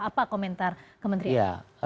apa komentar kementerian